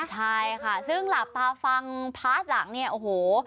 ใช่ค่ะซึ่งหลับตาฟังพาร์ทหลังเนี่ยโอ้โห